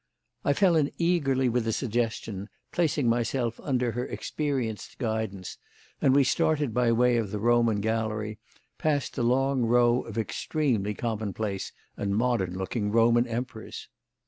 I fell in eagerly with the suggestion, placing myself under her experienced guidance, and we started by way of the Roman Gallery, past the long row of extremely commonplace and modern looking Roman Emperors.